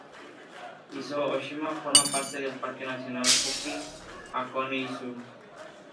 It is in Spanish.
Izu Ōshima forma parte del Parque nacional Fuji-Hakone-Izu.